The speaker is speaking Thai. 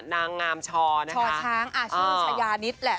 นางงามช่อนะคะช่องชายานิดแหละ